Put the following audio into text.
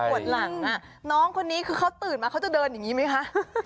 ปวดหลังน้องคนนี้คือเขาตื่นมาเขาจะเดินอย่างนี้ไหมคะ